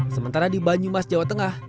sementara di banyumas jawa tengah